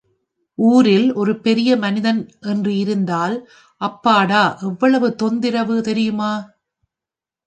ஊரில் ஒரு பெரியமனிதன் என்று இருந்தால், அப்பாடா எவ்வளவு தொந்திரவு தெரியுமா?